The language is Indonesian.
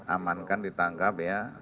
amankan ditangkap ya